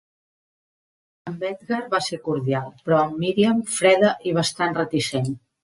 Amb Edgar va ser cordial, però amb Miriam freda i bastant reticent.